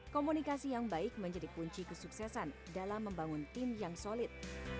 komunikasi yang baik menjadi kunci kesuksesan dalam membangun tim yang solid